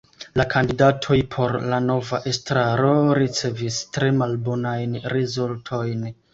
La kandidatoj por la nova estraro ricevis tre malbonajn rezultojn.